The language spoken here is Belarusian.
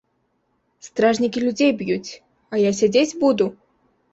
Стражнікі людзей б'юць, а я сядзець буду?